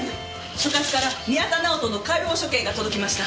所轄から宮田直人の解剖所見が届きました。